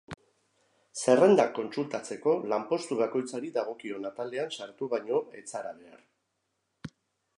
Zerrendak kontsultatzeko, lanpostu bakoitzari dagokion atalean sartu baino ez zara behar.